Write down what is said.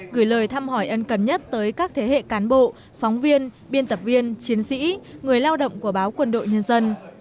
gửi lời thăm hỏi ân cần nhất tới các thế hệ cán bộ phóng viên biên tập viên chiến sĩ người lao động của báo quân đội nhân dân